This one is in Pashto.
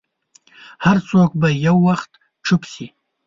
هر څوک به یو وخت چوپ شي.